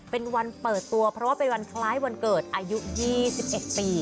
เป็นวันเปิดตัวเพราะว่าเป็นวันคล้ายวันเกิดอายุ๒๑ปี